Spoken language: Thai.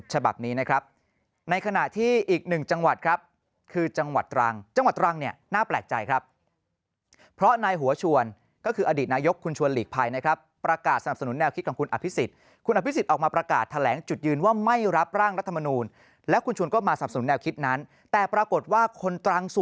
ฉบับนี้นะครับในขณะที่อีกหนึ่งจังหวัดครับคือจังหวัดตรังจังหวัดตรังเนี่ยน่าแปลกใจครับเพราะนายหัวชวนก็คืออดีตนายกคุณชวนหลีกภัยนะครับประกาศสนับสนุนแนวคิดของคุณอภิษฎคุณอภิษฎออกมาประกาศแถลงจุดยืนว่าไม่รับร่างรัฐมนูลและคุณชวนก็มาสนับสนุนแนวคิดนั้นแต่ปรากฏว่าคนตรังส